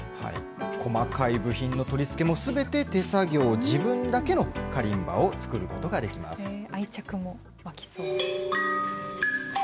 細かい部品の取り付けもすべて手作業、自分だけのカリンバを愛着も湧きそう。